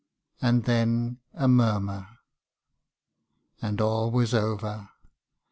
And then a murmur ! And all was over.